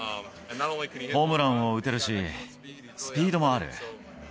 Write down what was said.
ホームランを打てるし、スピードもある。